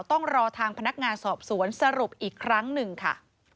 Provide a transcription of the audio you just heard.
ต้องรอทางพนักงานสอบสวนสรุปอีกครั้งหนึ่งค่ะ